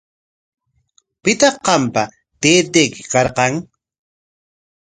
¿Pitaq qampa taytayki karqan?